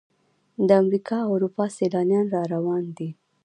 د امریکا او اروپا سیلانیان را روان دي.